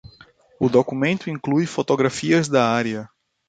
O documento inclui fotografias da área.